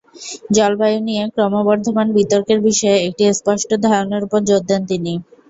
জলবায়ু নিয়ে ক্রমবর্ধমান বিতর্কের বিষয়ে একটি স্পষ্ট ধারণার ওপর জোর দেন তিনি।